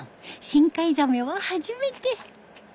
深海ザメは初めて。